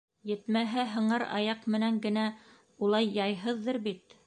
Етмәһә, һыңар аяҡ менән генә, улай яйһыҙҙыр бит?